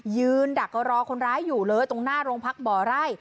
ดักรอคนร้ายอยู่เลยตรงหน้าโรงพักบ่อไร่